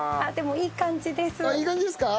いい感じですか？